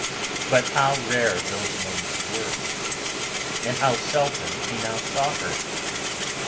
But how rare those moments were, and how seldom he now saw her!